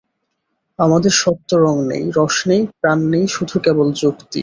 আমাদের সত্যে রঙ নেই, রস নেই, প্রাণ নেই, শুধু কেবল যুক্তি।